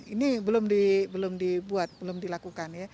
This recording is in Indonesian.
ini belum dibuat belum dilakukan ya